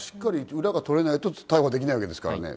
裏が取れないと逮捕できないわけですからね。